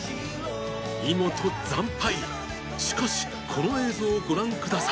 イモト惨敗しかしこの映像をご覧ください